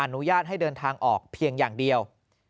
อนุญาตให้เดินทางออกเพียงอย่างเดียว